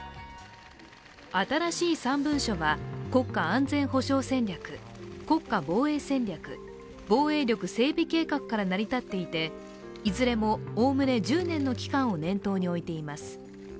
新しい３文書は国家安全保障戦略、国家防衛戦略、防衛力整備計画から成り立っていていずれもおおむね１０年の期間を念頭に置いています。